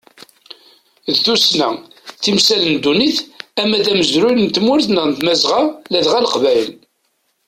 D tussna, timsal n ddunit ama d amezruy n tmurt n tmazɣa ladɣa leqbayel.